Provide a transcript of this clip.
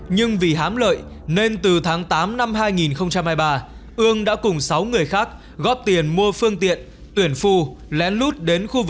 nhưng vì hám lợi nên từ tháng tám năm hai nghìn hai mươi ba ương đã cùng sáu người khác góp tiền mua phương tiện tuyển phu